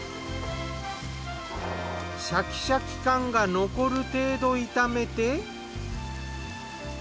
シャキシャキ感が残る程度炒めて。